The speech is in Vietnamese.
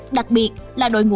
đặc biệt là đội ngũ